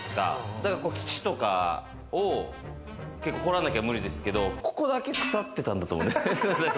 だから土とかを掘らなきゃ無理ですけれど、ここだけ腐ってたんだと思う。